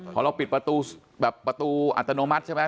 พอเราปิดประตูอัตโนมัติใช่ไหม